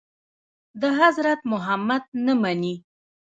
د حضرت محمد نه مني.